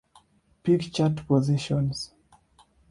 Peak chart positions.